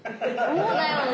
そうだよね。